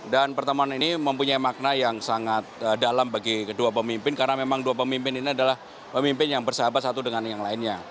dan pertemuan ini mempunyai makna yang sangat dalam bagi kedua pemimpin karena memang dua pemimpin ini adalah pemimpin yang bersahabat satu dengan yang lain